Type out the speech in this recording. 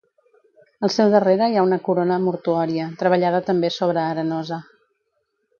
Al seu darrere hi ha una corona mortuòria, treballada també sobre arenosa.